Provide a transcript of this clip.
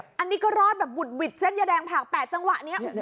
อันนี้ก็รอดแบบบุดหวิดเส้นยาแดงผ่า๘จังหวะนี้